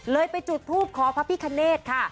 เลยไปจุดภูมิขอพระพี่คะเนธค่ะ